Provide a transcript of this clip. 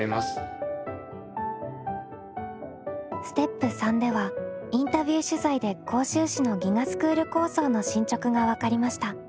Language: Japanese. ステップ３ではインタビュー取材で甲州市の「ＧＩＧＡスクール構想」の進捗が分かりました。